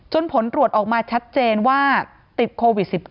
ผลตรวจออกมาชัดเจนว่าติดโควิด๑๙